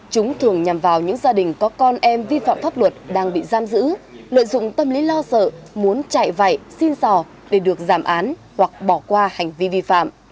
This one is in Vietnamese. chúng thường nhằm vào những gia đình có con em vi phạm pháp luật đang bị giam giữ lợi dụng tâm lý lo sợ muốn chạy vạy xin sỏ để được giảm án hoặc bỏ qua hành vi vi phạm